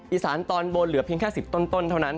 อีสานตอนบนเหลือเพียงแค่๑๐ต้นเท่านั้น